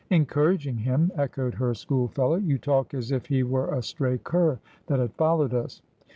' Encouraging him !' echoed her schoolfellow. ' You talk as if he were a stray cur that had followed us.'